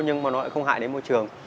nhưng mà nó lại không hại đến môi trường